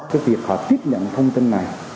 cái việc họ tiếp nhận thông tin này